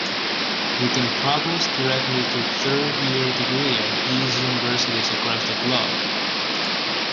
You can progress directly to third year degree at these universities across the globe.